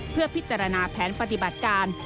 เพื่อพิจารณาแผนปฏิบัติการ